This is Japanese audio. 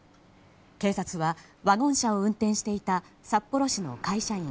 警察はワゴン車を運転していた札幌市の会社員